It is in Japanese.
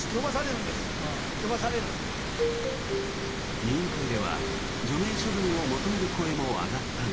委員会では除名処分を求める声も上がったが。